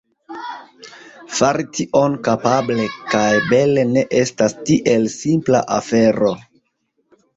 Fari tion kapable kaj bele ne estas tiel simpla afero.